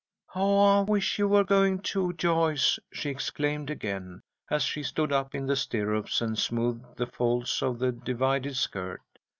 "Oh, I wish you were going, too, Joyce!" she exclaimed again, as she stood up in the stirrups and smoothed the folds of the divided skirt.